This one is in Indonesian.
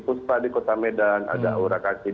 pustra di kota medan ada aurat kasih